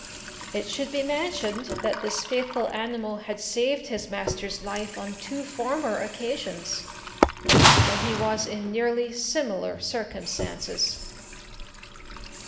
It should be mentioned that this faithful animal had saved his master's life on two former occasions, when he was in nearly similar circumstances.